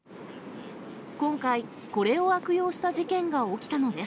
今回、これを悪用した事件が起きたのです。